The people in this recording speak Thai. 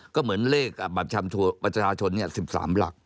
ก็เหมือนเลขบัตรประชาชน๑๓หลัก